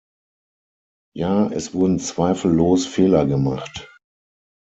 Ja, es wurden zweifellos Fehler gemacht.